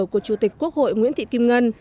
của chủ tịch quốc hội nguyễn thị kim ngân